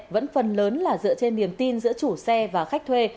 vẫn phần lớn là dựa trên niềm tin giữa chủ xe và khách thuê